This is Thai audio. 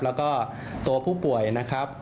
แล้วก็ตัวผู้ป่วยนะครับ